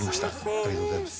ありがとうございます。